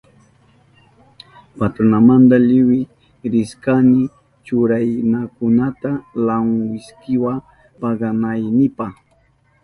Patronmanta liwik rishkani churarinakunata lankwikiwa paganaynipa.